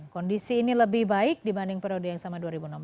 kondisi ini lebih baik dibanding periode yang sama dua ribu enam belas